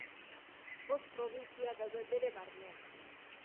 Bost probintzia daude bere barnean.